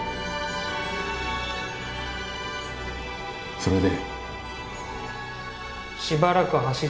それで？